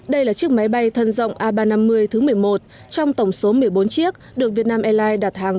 đây là chiếc máy bay thân rộng a ba trăm năm mươi thứ một mươi một trong tổng số một mươi bốn chiếc được việt nam airlines đặt hàng